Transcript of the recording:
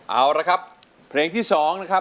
เอาละครับเพลงที่๒นะครับ